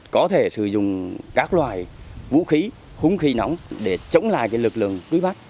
có thể sử dụng các loại vũ khí khung khí nóng để chống lại cái lực lượng cúi bắt